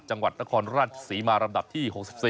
จังหวัดนครราชศรีมาลำดับที่๖๔